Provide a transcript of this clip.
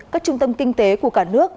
các trung tâm kinh tế của cả nước